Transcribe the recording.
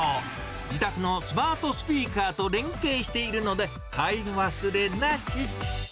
自宅のスマートスピーカーと連携しているので、買い忘れなし。